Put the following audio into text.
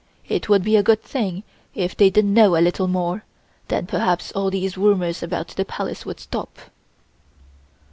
It would be a good thing if they did know a little more, then perhaps all these rumors about the Palace would stop."